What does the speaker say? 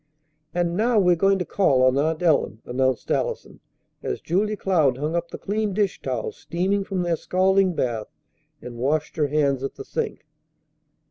"And now we're going to call on Aunt Ellen!" announced Allison as Julia Cloud hung up the clean dish towels steaming from their scalding bath, and washed her hands at the sink.